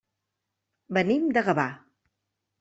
Venim de Gavà.